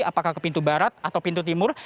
apakah ke pintu barat atau pintu timur